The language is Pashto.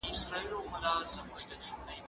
زه د کتابتون کتابونه نه لوستل کوم؟!